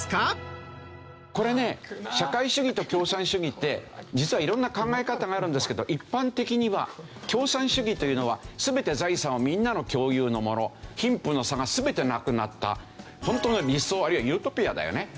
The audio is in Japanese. これね社会主義と共産主義って実は色んな考え方があるんですけど一般的には共産主義というのは全て財産をみんなの共有のもの貧富の差が全てなくなった本当の理想あるいはユートピアだよね。